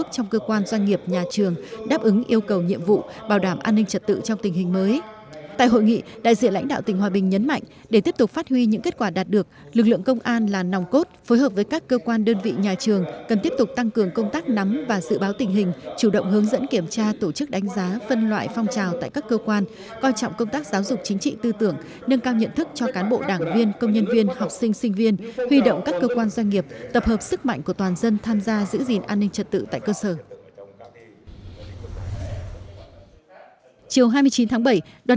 tại hội nghị đại diện lãnh đạo tỉnh hòa bình nhấn mạnh để tiếp tục phát huy những kết quả đạt được lực lượng công an là nòng cốt phối hợp với các cơ quan đơn vị nhà trường cần tiếp tục tăng cường công tác nắm và dự báo tình hình chủ động hướng dẫn kiểm tra tổ chức đánh giá phân loại phong trào tại các cơ quan coi trọng công tác giáo dục chính trị tư tưởng nâng cao nhận thức cho cán bộ đảng viên công nhân viên học sinh sinh viên huy động các cơ quan doanh nghiệp tập hợp sức mạnh của toàn dân tham gia giữ gìn an nin